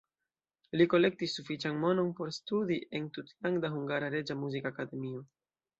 Li kolektis sufiĉan monon por studi en Tutlanda Hungara Reĝa Muzikakademio.